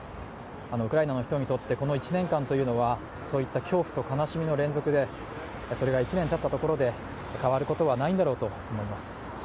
ウクライナの人にとってこの１年間というのはそういった恐怖と悲しみの連続でそれが１年たったところで、変わることはないんだろうと思います。